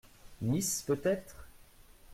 Nice, peut-être ?…